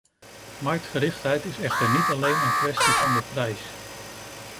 Marktgerichtheid is echter niet alleen een kwestie van de prijs.